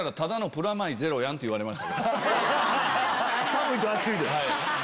寒いと暑いで。